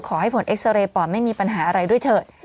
ขอให้ผลเอ็กซาเรย์ปอดไม่มีปัญหาอะไรด้วยเถอะ